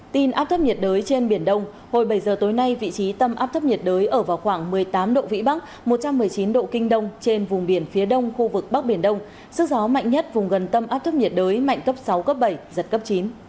tin áp thấp nhiệt đới trên biển đông hồi bảy giờ tối nay vị trí tâm áp thấp nhiệt đới ở vào khoảng một mươi tám độ vĩ bắc một trăm một mươi chín độ kinh đông trên vùng biển phía đông khu vực bắc biển đông sức gió mạnh nhất vùng gần tâm áp thấp nhiệt đới mạnh cấp sáu cấp bảy giật cấp chín